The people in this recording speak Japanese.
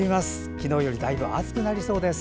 昨日よりもだいぶ暑くなりそうです。